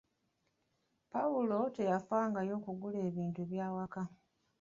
Pawulo teyafangayo kugula bintu bya waka.